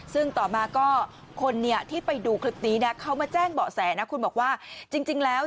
ซึ่งต่อมาก็คนเนี่ยที่ไปดูคลิปนี้นะเขามาแจ้งเบาะแสนะคุณบอกว่าจริงแล้ว